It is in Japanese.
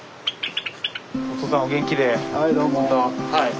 はい。